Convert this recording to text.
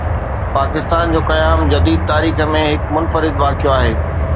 پاڪستان جو قيام جديد تاريخ ۾ هڪ منفرد واقعو آهي.